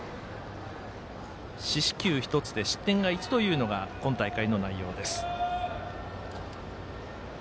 四死球１つで失点が１というのが今大会の内容です。